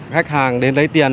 khách hàng đến lấy tiền